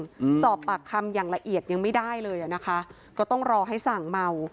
อืมสอบปากคำอย่างละเอียดยังไม่ได้เลยอ่ะนะคะก็ต้องรอให้สั่งเมา